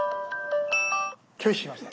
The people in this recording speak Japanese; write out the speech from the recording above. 拒否しました。